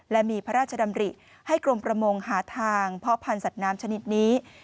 และมีพระราชดำริให้กรมประมงหาทางเพาะพันธ์สัตว์น้ำชนิดนี้